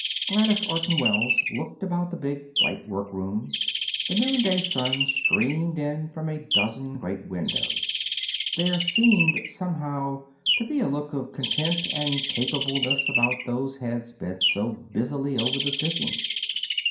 Gladys Orton Wells looked about the big, bright workroom. The noonday sun streamed in from a dozen great windows. There seemed, somehow, to be a look of content and capableness about those heads bent so busily over the stitching.